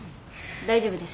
大丈夫です。